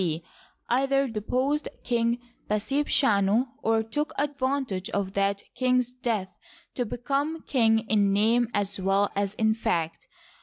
C, either deposed King Pasebchanu or took advantage of that king's death to become king in name as well as in fact.